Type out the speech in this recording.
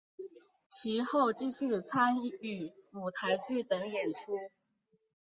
其后继续参与舞台剧等演出。